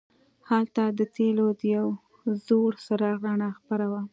هلته د تیلو د یو زوړ څراغ رڼا خپره وه.